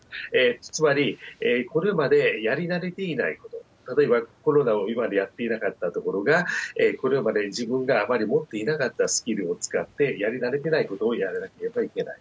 つまりこれまでやり慣れていないこと、例えばコロナを今までやっていなかったところが、これまで自分があまり持っていなかったスキルを使ってやり慣れてないことをやらなければいけない。